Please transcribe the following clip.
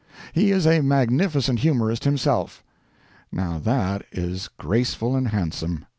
He is a magnificent humorist himself. [Now that is graceful and handsome.